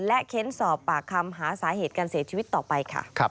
และเค้นสอบปากคำหาสาเหตุการเสียชีวิตต่อไปค่ะ